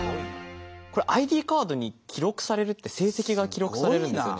これＩＤカードに記録されるって成績が記録されるんですよね？